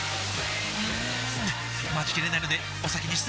うーん待ちきれないのでお先に失礼！